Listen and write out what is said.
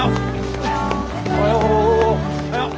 おはよう！